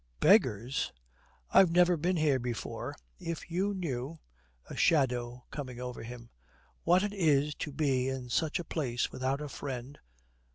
'Beggars?' 'I've never been here before. If you knew' a shadow coming over him 'what it is to be in such a place without a friend.